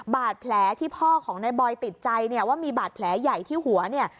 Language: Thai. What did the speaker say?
บาดแผลที่พ่อของนายบอยติดใจเนี่ยว่ามีบาดแผลใหญ่ที่หัวเนี่ย